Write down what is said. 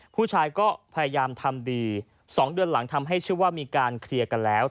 ผู้ชายก็พยายามทำดี๒เดือนหลังทำให้ชื่อว่ามีการเคลียร์กันแล้ว